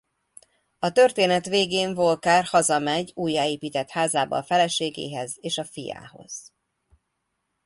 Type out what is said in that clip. A történet végén Walker hazamegy újjáépített házába a feleségéhez és a fiához.